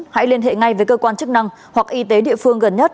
hãy liên hệ ngay với cơ quan chức năng hoặc y tế địa phương gần nhất